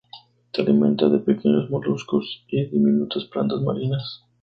Se alimenta de pequeños moluscos y diminutas plantas marinas.